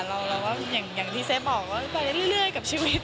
เราก็อย่างที่เซฟบอกว่าไปเรื่อยกับชีวิต